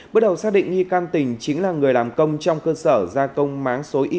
bước đầu xác định nghi can tình chính là người làm công trong cơ sở gia công máng số y